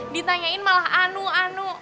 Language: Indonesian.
ditanyain malah anu anu